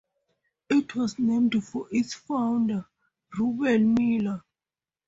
It was named for its founder, Reuben Miller.